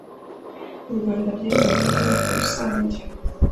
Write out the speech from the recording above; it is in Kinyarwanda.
mu rwanda byemejwe n inteko rusange